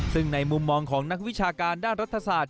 ซึ่งในมุมมองของนักวิชาการด้านรัฐศาสตร์